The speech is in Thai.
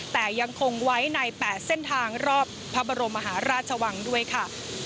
แต่ยังคงไว้ใน๘เส้นทางรอบพระบรมมหาราชวังด้วยค่ะ